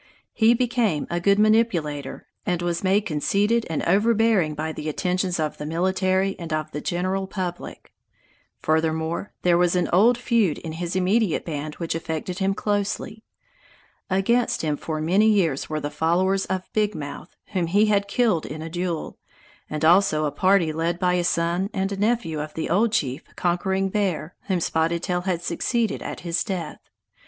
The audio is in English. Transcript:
He became a good manipulator, and was made conceited and overbearing by the attentions of the military and of the general public. Furthermore, there was an old feud in his immediate band which affected him closely. Against him for many years were the followers of Big Mouth, whom he had killed in a duel; and also a party led by a son and a nephew of the old chief, Conquering Bear, whom Spotted Tail had succeeded at his death.